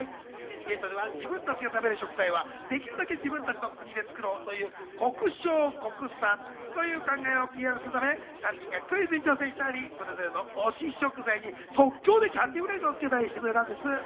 イベントでは自分たちが食べる食材はできるだけ自分たちの国で作ろうという、国消国産という考えをＰＲするため、３人がクイズに挑戦したり、それぞれの推し食材に即興でキャッチフレーズをつけたりしてくれたんです。